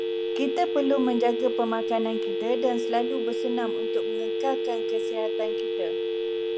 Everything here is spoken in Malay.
Kita perlu menjaga pemakanan kita dan selalu bersenam untuk mengekalkan kesihatan kita.